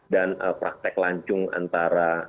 dan praktek lancung antara